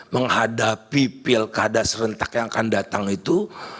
menghadapi pilkada serentak yang akan datang itu